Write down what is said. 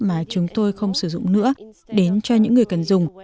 mà chúng tôi không sử dụng nữa